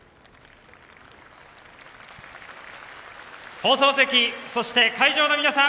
放送席、そして会場の皆さん。